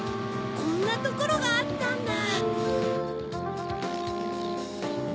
こんなところがあったんだ！